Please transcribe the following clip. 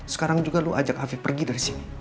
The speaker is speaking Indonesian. sekarang juga lu ajak afif pergi dari sini